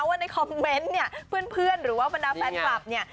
ว่าในคอมเมนต์เนี่ยเพื่อนหรือว่าบรรดาแฟนคลับเนี่ย